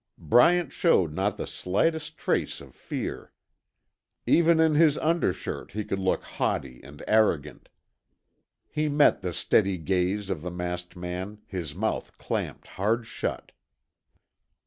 Bryant showed not the slightest trace of fear. Even in his undershirt he could look haughty and arrogant. He met the steady gaze of the masked man, his mouth clamped hard shut.